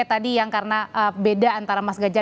tadi yang karena beda antara mas ganjar